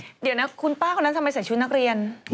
เดี๋ยวนะคุณป้าคนนั้นทำไมใส่ชุดนักเรียน